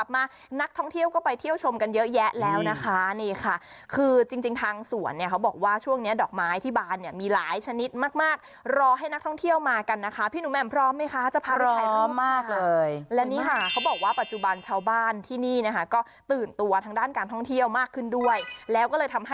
มานักท่องเที่ยวก็ไปเที่ยวชมกันเยอะแยะแล้วนะคะนี่ค่ะคือจริงจริงทางสวนเนี่ยเขาบอกว่าช่วงเนี้ยดอกไม้ที่บานเนี่ยมีหลายชนิดมากมากรอให้นักท่องเที่ยวมากันนะคะพี่หนูแหม่มพร้อมไหมคะจะพาเราไปพร้อมมากเลยและนี่ค่ะเขาบอกว่าปัจจุบันชาวบ้านที่นี่นะคะก็ตื่นตัวทางด้านการท่องเที่ยวมากขึ้นด้วยแล้วก็เลยทำให้